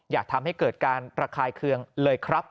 อย่าทำให้เกิดการระคายเคืองเลยครับ